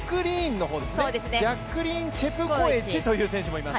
ジャックリーン・チェプコエチという選手もいます。